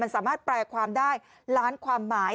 สามารถแปลความได้ล้านความหมาย